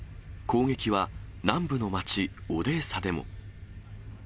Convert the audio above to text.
攻撃は、南部の街オデーサでも。